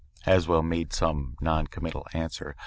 "Haswell made some noncommittal answer.